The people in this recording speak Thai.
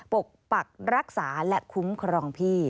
ปกปักรักษาและคุ้มครองพี่